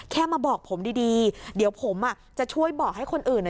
แค่มาบอกผมดีเดี๋ยวผมจะช่วยบอกให้คนอื่น